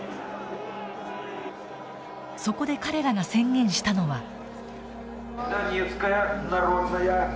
そこで彼らが宣言したのは。